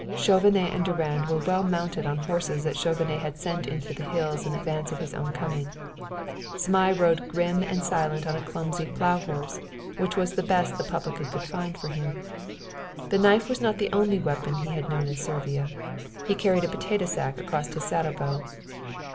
Chauvenet and Durand were well mounted on horses that Chauvenet had sent into the hills in advance of his own coming. Zmai rode grim and silent on a clumsy plow horse, which was the best the publican could find for him. The knife was not the only weapon he had known in Servia; he carried a potato sack across his saddle bow.